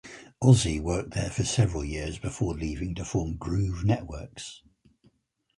Ozzie worked there for several years before leaving to form Groove Networks.